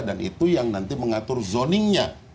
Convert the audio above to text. itu yang nanti mengatur zoningnya